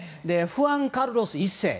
フアン・カルロス１世。